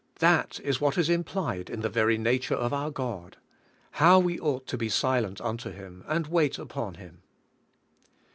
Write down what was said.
That is what is implied in the very nature of our God. How we ought to be silent unto Him, and wait upon Him!